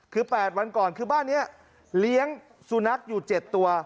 คือ๘วันก่อนคือบ้านนี้เลี้ยงสุนัขอยู่๗ตัว